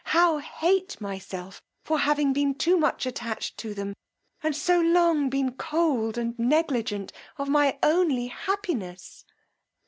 how hate myself for having been too much attached to them, and so long been cold and negligent of my only happiness!